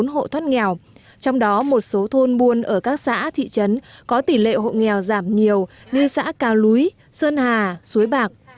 bốn mươi hộ thoát nghèo trong đó một số thôn buôn ở các xã thị trấn có tỷ lệ hộ nghèo giảm nhiều như xã cao núi sơn hà suối bạc